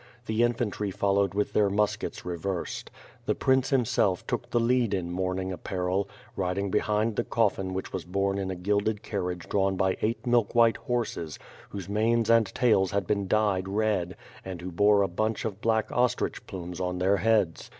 The infantry followed with their muskets re versed. The prince himself took the lead in mourning ap parel, riding behind the coflBn which was borne in a gilded carriage drawn by eight milk white horses, whose manes and tails had ben dyed red, and who bore a bunch of black ostrich plumes on their heads.